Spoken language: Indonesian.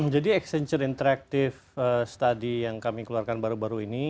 jadi accenture interactive study yang kami keluarkan baru baru ini